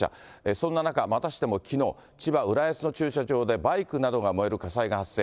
そんな中、またしてもきのう、千葉・浦安の駐車場でバイクなどが燃える火災が発生。